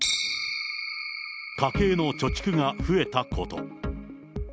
家計の貯蓄が増えたこと。